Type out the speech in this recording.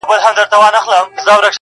ارمان به وکړې وخت به تېر وي-